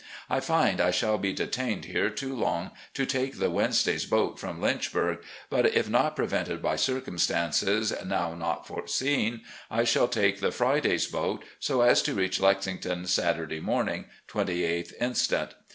I find I shall be detained here too long to take the Wednesday's boat from Lynchburg, but, if not prevented by circumstances now not foreseen, I shall take the Friday's boat, so as to reach Lexingfton Saturday morning, 28th inst.